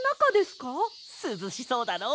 すずしそうだろ？